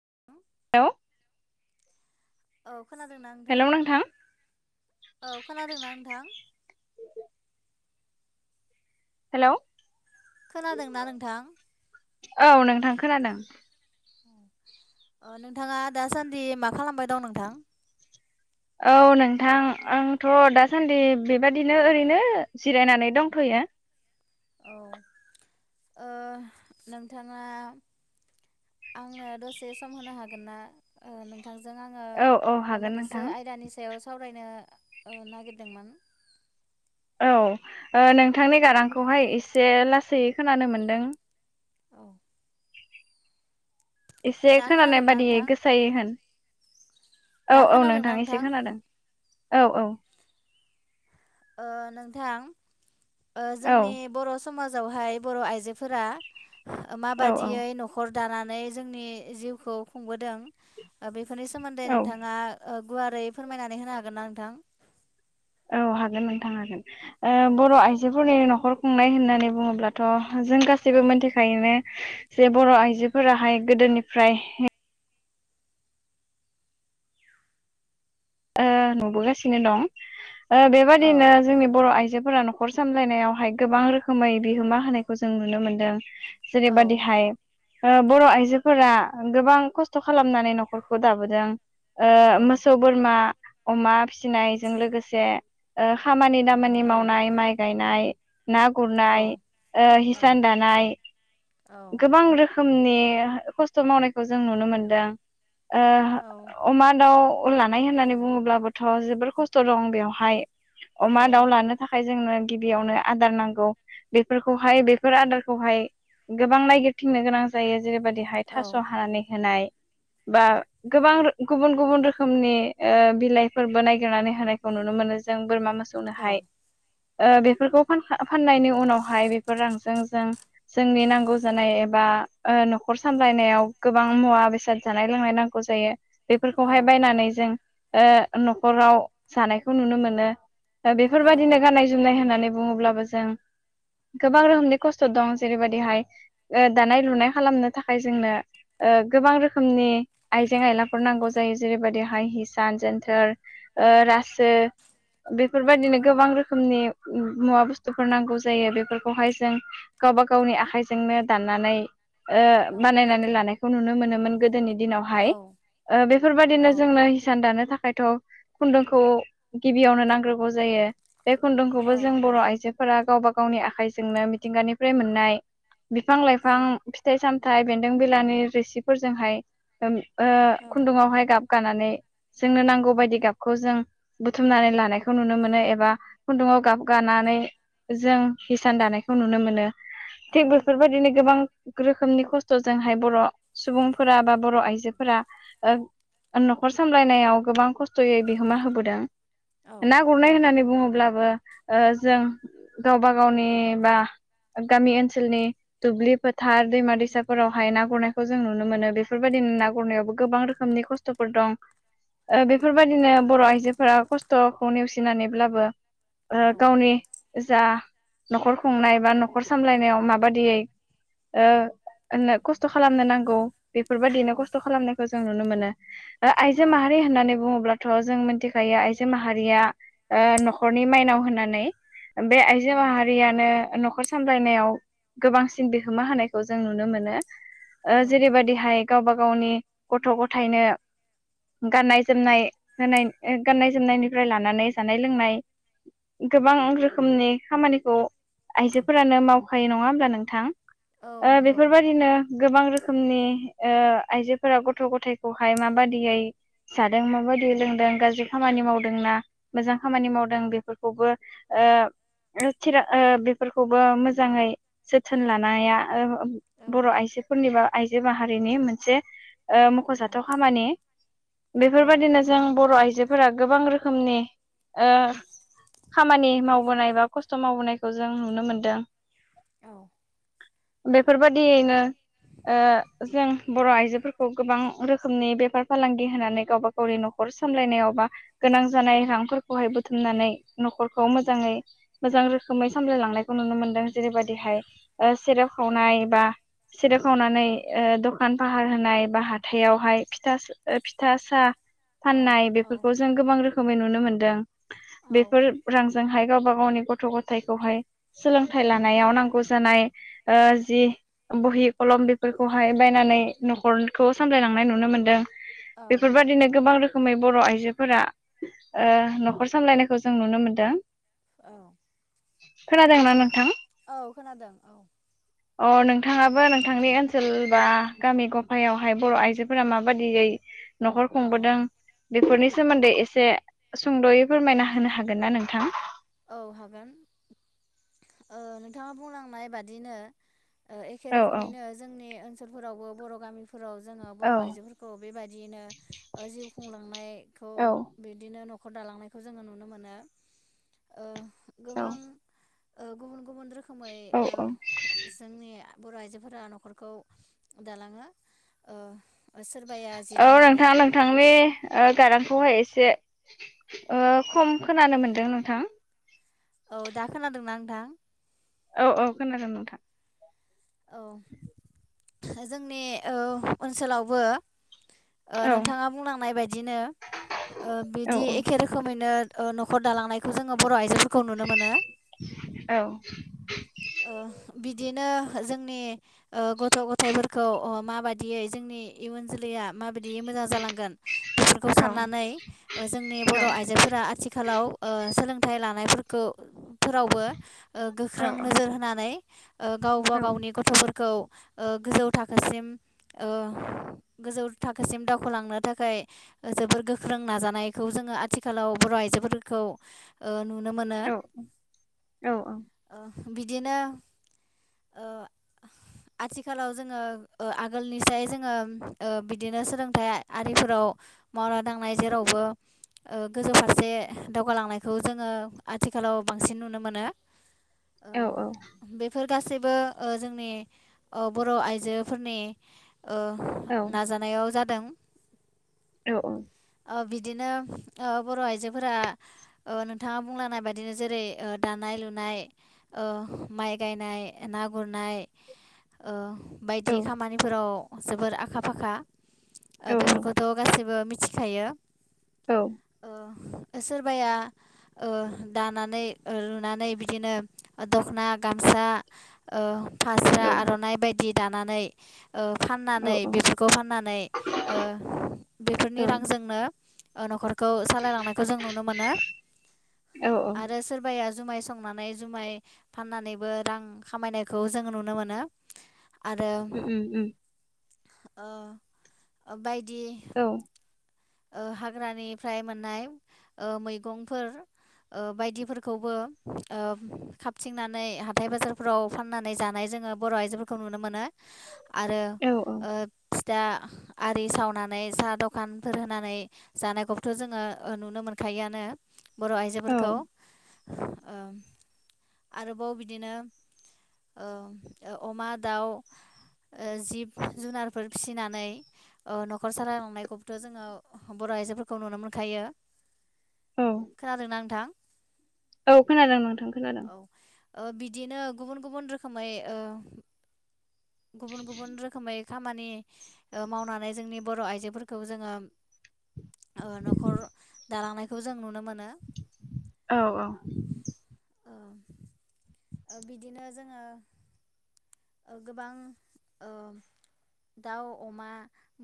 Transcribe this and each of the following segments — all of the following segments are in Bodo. [inaudible] हेलौ औ खोनादोंना नोंथां औ खोनादोंना नोंथां। हेलौ खोनादोंना नोंथां। औ नोंथां खोनादों। नोंथाङा दासान्दि मा खालामबाय दं नोंथां। औ नोंथां आंथ दासान्दि बेबादिनो ओरैनो जिरायनानै दंथयो। औ नोंथाङा आंनो दसे सम होनो हागोन ना नोंथां। नोंजों आङो औ औ हागोन नोंथां मोनैसो आयदानि सायाव साव। सावरायनो नागिरदोंमोन। औ नोंथांनि गारांखौहाय एसे लासै खोनानो मोनदों। औ एसे दा खोनानाय खोनादोंना बादियै नोंथां गोसायै होन। दा औ-औ खोनादोंना नोंथाङ एसे नोंथां खोनादों औ-औ ओ नोंथां ओ औ जोंनि बर' समाजावहाय बर' आइजोफोरा। मा औ औ बादियै नखर दानानै जोंनि जिउखौ खुंबोदों। ओ बेफोरनि सोमोन्दै औ नोंथाङा ओ। गुवारै फोरमायनानै होनो हागोनना नोंथां? औ हागोन नोंथां औ हागोन। बर' आइजोफोरनि न' खर खुंनाय होननानै बुङोब्लाथ' जों गासैबो औ मोनथिखायोनो जे बर' आइजोफोराहाय गोदोनिफ्राय नुबोगासिनो दं बेबायदिनो औ जोंनि बर' आइजो फोरा न'खर सामलायनायावहाय गोबां रोखोमै बिहोमा होनायखौ जों नुनो मोन्दों। जेरैबादि औ हाय बर' आइजोफोरा गोबां खस्थ' खालामनानै न'खरखौ दाबोदों औ ओ मोसौ, बोर मा अमा फिसिनायजों लोगोसे खामानि दामानि- औ मावनाय माइ गायनाय, ना गुरनाय, हिसान दानाय औ गोबां रोखो मनि खस्थ' मावनायखौ जों नुनो मोनदों। ओ औ अमा, दाउ उन लानाय होननानै बुङोब्लाबोथ' जोबोर खस्थ' दं बेवहाय औ अमा, दाउ लानो थाखाय जोंनो गिबियावनो आदार नांगौ बेफोरखौहाय बेफोर आदारखौहाय गोबां नायगिरथिंनो गोनां जायो जेरैबायदि ओरैहाय थास' औ हानानै होनाय बा गोबां गुबुन गुबुन रोखोमनि बिलाइफोरबो नायगिरनानै होनायखौ नुनो मोनो जों बोरमा मोसौनो औ हाय बेफोरखौ फाननायनि उनावहाय बेफोर रांजों जों जोंनि नांगौ जानाय एबा न'खर सामलायनायाव गोबां मुवा बेसाद जानाय लोंनाय नांगौ जायो बेफोरखौहाय औ बायनानै जों न'खराव जानायखौ नुनो मोनो। बेफोरबायदिनो गाननाय जोमनाय होना नै बुङोब्लाबो जों गोबां रोखोमनि खस्थ' दं जेरैबायदिहाय दानाय लुनाय खालामनो थाखाय जोंनो गोबां रोखोमनि आइजें आयलाफोर नांगौ जायो जेरैबायदिहाय हिसान, जोन्थोर, रासो बेफोरबायदिनो औ गोबां रोखोमनि मुवा बुस्थुफोर नांगौ जायो बेफोरखौहाय जों गावबा गावनि आखाइजोंनो दाननानै बानायनानै लानायखौ नुनो मो [unintelligible] गोदोनि दिनावहाय औ बेफोरबायदिनो जोंनो हिसान दानो थाखाय [unintelligible] खुन्दुंखौ गिबियावनो नांग्रोगौ जायो बे खुन्दुंखौबो जों बर' आइजोफोरा गावबा गावनि आखाइजोंनो मिथिंगानि [unintelligible] मोननाय बिफां लाइफां औ फिथाइ साम नाथाय बेन्दों बिलानि रिसिफोरजोंहाय [unintelligible] खुन्दुावहाय गाब गानानै जोंनो नांगौ बायदि गाबखौ जों बुथुमनानै लानायखौ नुनो मोनो एबा खुन्दुङाव गाब गानानै जों हिसान दानायखौ नुनो मोनो। थिग बेफोरबायदिनो गोबां रोखोमनि खस्थ'जोंहाय बर' सुबुंफोरा बा बर' आइजोफोरा न'खर सामलायनायाव गोबां खस्थ'यै बिहोमा होबोदों ना गुरनाय होननानानै बुङोब्लाबो जों गावबा गावनि बा गामि ओनसोलनि दुब्लि फोथार दैमा दैसाफोरावहाय ना गुरनायखौ जों नुनो मोनो बेफोरबायदिनो ना गुरनायावबो गोबां रोखोमनि खस्थ'फोर दं बेफोरबायदिनो बर' आइजोफोरा खस्थ'खौ नेवसिनानैब्लाबो गावनि जा न'खर खुंनाय बा न'खर न'खर सामलायनायाव माबादियै [unintelligible] खस्थ' खालामनो नांगौ बेफोरबायदिनो खस्थ' खालामनायखौ जों नुनो मोनो आइजो औ माहारि होननानै बुङोब्ला थ' जों मिथिखायो आइजो माहारिया न'खरनि माइनाव होननानै बे आइजो औ माहारियानो न'खर सामलायनायाव गोबांसिन बिहोमा होनायखौ जों नुनो मोनो। औ जेरैबायादि हाय गावबा गावनि गथ' गथायनो गाननाय जोमनाय होनाय गाननाय जोमनायनिफ्राय लानानै जानाय लोंनाय गोबां रोखोमनि खामानिखौ आइजो [unintelligible] फोरानो मावखायो नङा होमब्ला नोंथां। औ नंगौ बेफोरबायदिनो गोबां रोखोमनि आइजोफोरा गथ' गथायाइखौहाय माबादियै जादों माबादियै लोंदों गाज्रि खामानि मावदोंना मोजां खामानि मावदों बेफोरखौबोर [unintelligible] खौबो मोजाङै जोथोन लानाया औ बर' आइजोफोरनिबा आइजो माहारिनि मोनसे औ मख'जाथाव खामानि औ बेफोरबायदिनो जों औ बर' आइजो फोरा गोबां रोखोमनि ओ खामानि मावबोनाय बा खस्थ' मावबोनायखौ जों नु नुनो मोनदों। औ बेफोरबाददियैनो ओ जों बर' आइजोफोरखौ गोबां रोखोमनि बेफार फालांगि होनानै गावबा गावनि न'खर सामलायनायाव बा गोनां जानाय रांफोरखौहाय बुथुमनानै न'खरखौ मोजाङै मोजां रोखोमै सामलायलांनाय खौ नुनो मोनदों जेरैबादिहाय ओ सेरेब खावनाय बा सिरेब खावनानै ओ दखान फाहार होनाय बा हाथायावहाय फिथ फिथा साहा फाननाय औ बेफोरखौ जों गोबां रो मै नुनो मोन्दों। औ बेफोर रां जोंहाय गावबा गावनि गथ' गथायखौहाय सोलोंथाइ लानायाव नांगौ जानाय ओ जि बहि खलम बेफोरखौहाय बायनानै न'खरखौ सामलायलांनाय नुनो मोनदों। औ बेफोरबायादिनो गोबां रोखोम रोखोमै बर' आइजोफोरा ओ न'खर सामलायनायखौ जों नुनो मोनदों औ खोनादोंना नोंथां? औ खोनादों औ। अ नोंथाङाबो नोंथांनि ओनसोल बा गामि गफायावहाय बर' आइजोफोरा माबादियै न'खर औ खुंबोदों बेफोरनि सोमोन्दै एसे सुंद'यै फोरमायना होनो हागोन ना नोंथां? औ हागोन ओ नोंथाङा बुंलांनाय बादिनो ओ एखे औ औ रोखोमैनो जोंनि ओनसोलफोरावबो बर' गामि फोराव जोङो औ बर' आइजोफोरखौ बेबायदिनो जिउ खुंलांनायखौ औ बिदिनो नखर दालांनायखौ जोङो नुनो मोनो। ओ गोबां ओ गुबुन गुबुन रोखोमै औ ओ औ जोंनि बर' आइजोफोरा न'खरखौ दालाङो ओ सोर औ नोंथाङ नोंथांनि गारांखौहाय एसे ओ खम खोनानो मोनदों नोंथां? औ दा खोनादोंना नोंथां? औ औ खोनादो नोंथां। औ जोंनि ओ ओनसोलावबो ओ औ नोंथाङा बुंलांनाय बायदिनो ओ औ बिदि एखे रोखोमैनो ओ न'खर दालांनायखौ जोङो बर' आइजोफोर खौ नुनो मोनो औ ओ बिदिनो जोंनि ओ गथ' गथाइफोरखौ ओ माबाददियै जोंनि इयुन जोलैया माबायदि मोजां जालांगोन बेफोरखौ औ साननानै ओ जोंनि बर' आइजोफोरा आथिखालाव ओ सोलों थाइ लानायफोरखौ फोरावबो औ गोख्रों नोजोर होनानै ओ गाव औ गाव गथ'फोरखौ ओ गोजौ थाखोसिम ओ गोजौ थाखोसिम दावखोलांनो थाखाय जोबोर गोख्रों नाजानायखौ जोङो आथिखालाव बर' आइजोफोरखौ ओ नु औ औ ओ बिदिनो ओ आथिखालाव जोङो ओ आगोलनिसाय जोङो ओ बिदिनो सोलोंथाइ आरिफोराव मावना दांनाय जेरावबो ओ गोजौ फारसे दावगालांनायखौ जोङो आथिखालाव बांसिन नुनो मोनो। औ ओ बेफोर गासै बो ओ जोंनि ओ बर' आइजोफोरनि ओ नाजानायाव जा दों औ ओ बिदिनो ओ बर' आइजोफोरा ओ नोंथाङा बुंलांनाय बायदिनो ओ जेरै दानाय लुनाय ओ माइ गायनाय ना गुरनायनाय ओ बायदि खामानिफोराव जोबोर आखा फाखा। औ ओबेफोरखौथ गासैबो बि थिखायो औ ओ सोरबाया ओ दानानै ओ लुनानै बिदिनो दख'ना गामसा ओ उम फास्रा आर'नाइ बायदि दानानै ओ फाननानै बेफोरखौ फाननानै ओ बेफोरनि रांजोंनो अ न'खर खौ सालाय लांनायखौ जों नुनो मोनो आरो सोरबाया जुमाय संनानै जुमाय फाननानैबो रां खामायनायखौ जोङो नुनो मोनो आरो उम उम आ बायदि औ [unintelligible] ओ हाग्रानिफ्राय मोननाय ओ मैगंफोर ओ बायदिफोरखौबो ओ खाबथिंनानै हाथाइ बाजारफोराव फाननानै जानाय जोङो बर' आइजोफोरखौ नुनो मोनो आरो औ ओ था आरि सावनानै साहा दखान फोर होनानै जानायखौथ' जोङो नुनो मोनखायो आनो बर' औ आइजोफोरखौ ओ आरोबाव बिदिनो ओ अमा दाउ जिब जुनारफोर फिसि फिनानै ओ न'खर सालायलांनायखौ थ' जोङो बर' आइजोफोरखौ नुनो मोनखायो औ खोनादोंना नोंथां औ खोनादों नोंथां खोनादों औ ओ बिदिनो गुबुन गुबुन रोखोमै ओ गुबुन गुबुन रोखोमै खामानि ओ मावनानै जोंनि बर' आइजोफोरखौ खौ जोङो ओ न'खर दालांनाय खौ जों नुनो मोनो औ औ ओ बिदिनो जोङो गोबां ओ दाउ अमा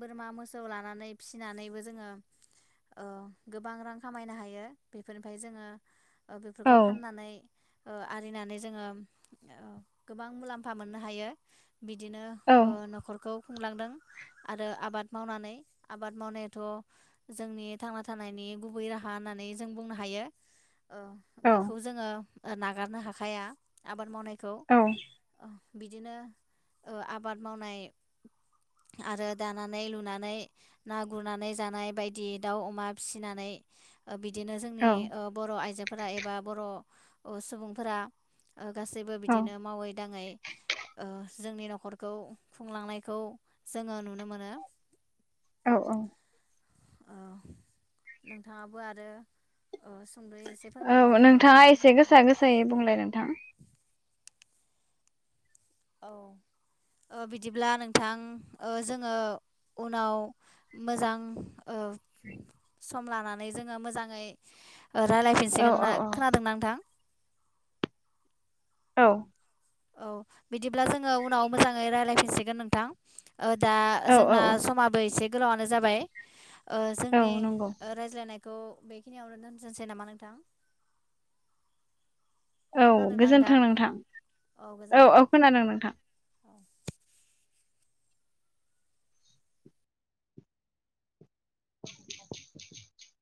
बोरमा मोसौ लानानै फिसिनानैबो जोङो ओ गोबां रां खामायनो हायो बेफोरनिफ्राय जोङो औ बेफोरखौ फाननानै आरिनानै जोङो गोबां मुलाम्फा फा मोननो हायो बिदिनो औ ओ न'खरखौ खुंलांदों आरो आबाद मावनानै आबाद मावनायाथ' जोंनि थांना थानायनि गुबै राहा होननानै जों बुंनो हायो। ओ औ बेखौ जोङो ओ नागारनो हाखाया आबाद मावनाय औ। बिदिनो ओ आबाद मावनाय आरो दानानै लुनानै ना गुरनानै जानाय बायदि दाउ अमा फिसिनानै आ बि दिनो जोंनि ओ बर' आइजोफोरा एबा बर' सुबुंफोरा ओ गासैबो औ बिदिनो मावै ओ जोंनि न'खरखौ खुंलांनायखौ जोङो नुनो मोनो। औ औ। ओ नोंथाङाबो आरो ओ सुंद'यै एसे औ फोरमायबावनो हागोन नोंथाङा ना एसे गोसा गोसायै बुंलाय नोंथां। औ ओ बिदिब्ला नोंथां ओ जोङो उनाव मोजां ओ सम लानानै जोङो मोजाङै औ रायज्लायफिनसिगोन औ ना? औ खोनादों ना नोंथां? औ। औ बिदिब्ला जोङो उनाव मोजाङै रायजलायफिनसिगोन नोंथां ओ दा औ औ जोंना समाबो एसे गोलावनो जाबाय ओ औ जोंनि नंगौ रायज्लायनाय खौ बेखिनियावनो दोनजनसै नामा नोंथां? औ गोजोन्थों नोंथां। औ औ खोनादों नोंथां। अ [inaudible]